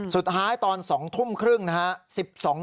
สุดท้ายตอน๒ทุ่มครึ่ง